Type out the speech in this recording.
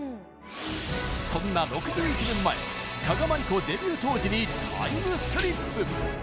そんな６１年前加賀まりこデビュー当時にタイムスリップ